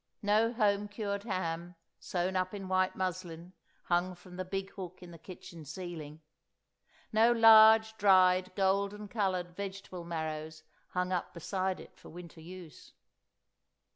No home cured ham, sewn up in white muslin, hung from the big hook in the kitchen ceiling. No large, dried, golden coloured vegetable marrows hung up beside it for winter use.